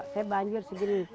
saya banjir segini